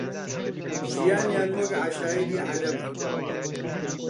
ژیانیان وەک عەشایری عەرەبە